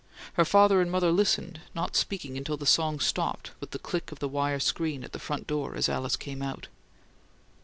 Her father and mother listened, not speaking until the song stopped with the click of the wire screen at the front door as Alice came out.